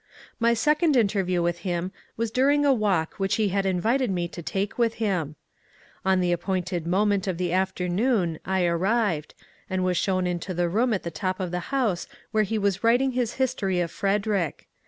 My second interview with him was during a walk which he had invited me to take with him. On the appointed moment of the afternoon I arrived, and was shown into the room at the top of the house where he was writing his history of Frederick.